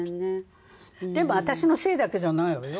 でも私のせいだけじゃないわよ。